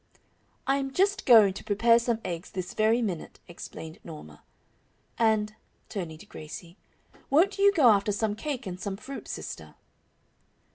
"I am just going to prepare some eggs this very minute," explained Norma. "And," turning to Gracie, "won't you go after some cake and some fruit, sister?"